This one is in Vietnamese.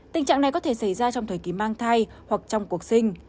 tình trạng này có thể xảy ra trong thời kỳ mang thai hoặc trong cuộc sinh